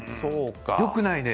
よくないね。